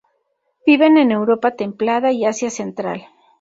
Viven en Europa templada y Asia Central.